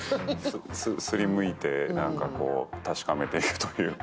すりむいて、何か確かめているというか。